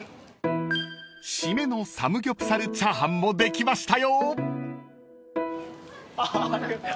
［シメのサムギョプサルチャーハンもできましたよ］